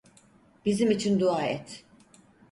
Bizim için dua et.